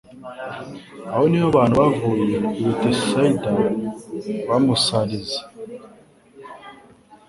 aho niho abantu bavuye i Betsaida bamusarize.